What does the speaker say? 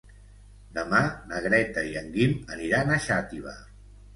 Demà na Greta i en Guim aniran a Xàtiva.